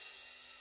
あ。